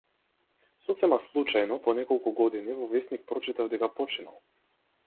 Сосема случајно, по неколку години, во весник прочитав дека починал.